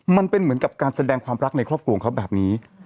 เหมือนกับการแสดงความรักในครอบครัวของเขาแบบนี้